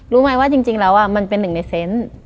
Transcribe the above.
รู้ไหมว่าจริงแล้วมันเป็นหนึ่งในเซนต์